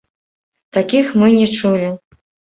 Такіх мы не чулі.